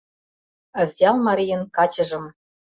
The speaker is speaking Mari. Азъял марийын качыжым